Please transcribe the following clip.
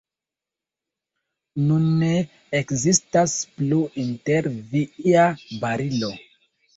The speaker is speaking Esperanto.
Nun ne ekzistas plu inter vi ia barilo.